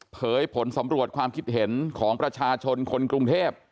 ผลสำรวจความคิดเห็นของประชาชนคนกรุงเทพ